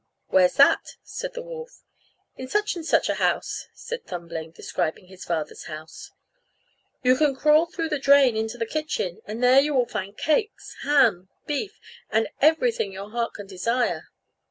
"Where's that?" said the wolf. "In such and such a house," said Thumbling, describing his father's house, "you can crawl through the drain into the kitchen, and there you will find cakes, ham, beef, and everything your heart can desire."